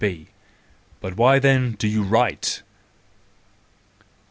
B : But why, then, do you write?